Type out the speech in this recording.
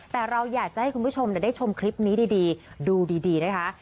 แต่เราอยากจะให้คุณผู้ชมได้ชมคลิปนี้ดีดูดีนะคะ